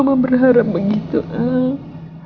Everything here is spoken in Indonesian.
mama berharap begitu ah